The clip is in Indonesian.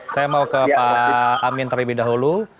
saya mau ke pak amin terlebih dahulu